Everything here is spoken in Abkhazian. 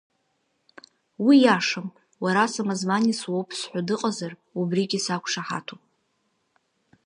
Уи иашам, уара Самозванец уоуп зҳәо дыҟазар, убригьы сақәшаҳаҭуп.